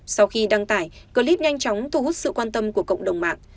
sau khi đăng tải clip nhanh chóng thu hút sự quan tâm của cộng đồng mạng